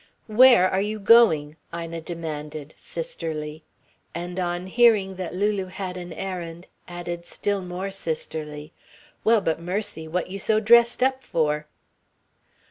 "Where are you going?" Ina demanded, sisterly. And on hearing that Lulu had an errand, added still more sisterly; "Well, but mercy, what you so dressed up for?"